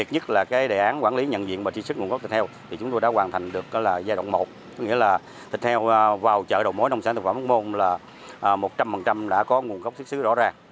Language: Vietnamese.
theo vào chợ đồ mối nông sản thực phẩm hốc môn là một trăm linh đã có nguồn gốc xuất xứ rõ ràng